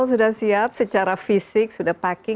sudah siap secara fisik sudah packing